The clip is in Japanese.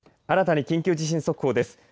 新たに緊急地震速報です。